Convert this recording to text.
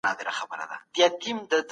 په پښتو کي د پوهانو او پوهي مقام ډېر لوړ دی